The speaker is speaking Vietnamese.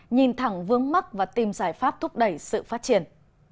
nhìn thẳng vướng mắt và tìm giải pháp thúc đẩy sự phát triển